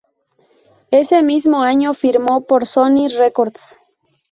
Ese mismo año, firmó por Sony Records.